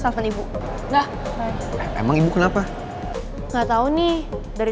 sekarang aku sih belum ada ke availability dah